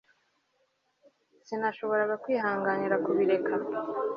Sinashoboraga kwihanganira kubireba